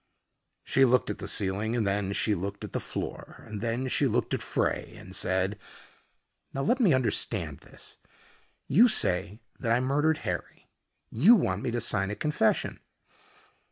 She looked at the ceiling and then she looked at the floor and then she looked at Frey and said, "Now let me understand this. You say that I murdered Harry. You want me to sign a confession."